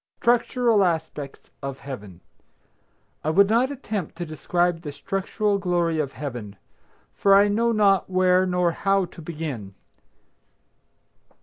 STRUCTURAL ASPECTS OF HEAVEN. I would not attempt to describe the structural glory of Heaven, for I know not where nor how to begin.